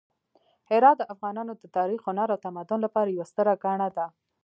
هرات د افغانانو د تاریخ، هنر او تمدن لپاره یوه ستره ګاڼه ده.